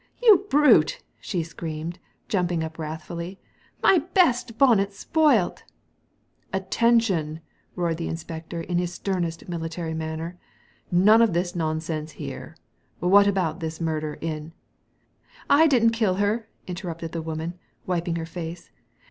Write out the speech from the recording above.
"You brute 1 " she screamed, jumping up wrathfully. " My best bonnet's spoilt" " Attention !" roared the inspector in his sternest military manner; "none of this nonsense here. What about this murder in "" I didn't kill her !" interrupted the woman, wiping her face.